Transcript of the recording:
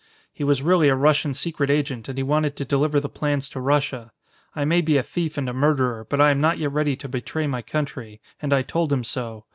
He was really a Russian secret agent and he wanted to deliver the plans to Russia. I may be a thief and a murderer, but I am not yet ready to betray my country, and I told him so.